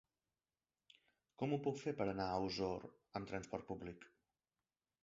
Com ho puc fer per anar a Osor amb trasport públic?